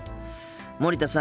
森田さん。